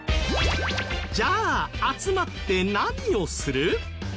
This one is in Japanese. じゃあ集まって何をする？